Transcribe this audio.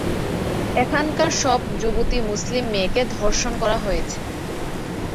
এখানকার সব যুবতী মুসলিম মেয়েকে ধর্ষণ করা হয়েছে।